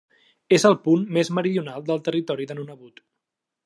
És el punt més meridional del territori de Nunavut.